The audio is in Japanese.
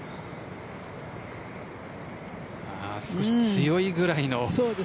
少し強いぐらいのパット。